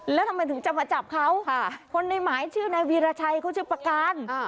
แล้วทำไมถึงจะมาจับเขาคนในหมายชื่อนายวีรชัยเขาชื่อประการ